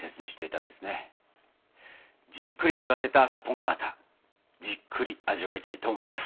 じっくり寝かせたスポンガータじっくり味わいたいと思います。